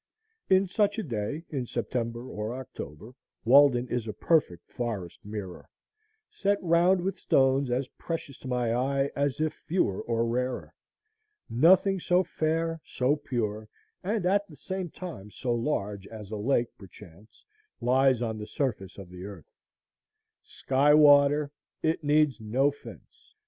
In such a day, in September or October, Walden is a perfect forest mirror, set round with stones as precious to my eye as if fewer or rarer. Nothing so fair, so pure, and at the same time so large, as a lake, perchance, lies on the surface of the earth. Sky water. It needs no fence.